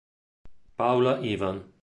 Paula Ivan